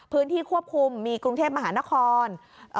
พื้นที่ควบคุมมีกรุงเทพมหานคร